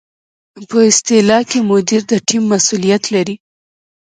په اصطلاح کې مدیر د ټیم مسؤلیت لري.